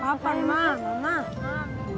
kapan ya kapan